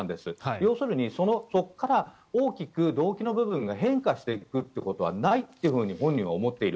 要するにそこから大きく動機の部分が変化していくっていうことはないっていうふうに本人は思っている。